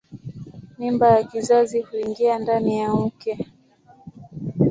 Mimba ya kizazi huingia ndani ya uke.